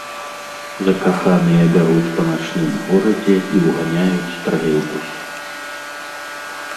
Закаханыя бягуць па начным горадзе і ўганяюць тралейбус.